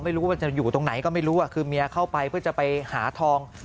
ไม่รู้ว่ามันจะอยู่ตรงไหนก็ไม่รู้คือเมียเข้าไปเพื่อจะไปหาทอง